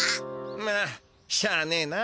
まっしゃあねえな。